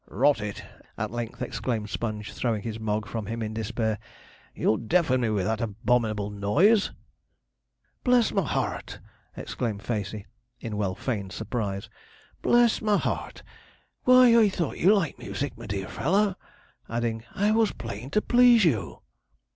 'Rot it!' at length exclaimed Sponge, throwing his Mogg from him in despair, 'you'll deafen me with that abominable noise.' 'Bless my heart!' exclaimed Facey, in well feigned surprise, 'Bless my heart! Why, I thought you liked music, my dear feller!' adding, 'I was playin' to please you.'